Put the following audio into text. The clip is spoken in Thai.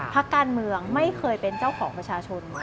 พักการเมืองไม่เคยเป็นเจ้าของประชาชน